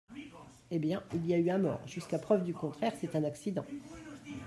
Eh bien, il y a eu un mort. Jusqu’à preuve du contraire c’est un accident.